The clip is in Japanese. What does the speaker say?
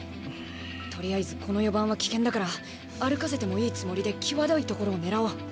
とりあえずこの４番は危険だから歩かせてもいいつもりで際どい所を狙おう。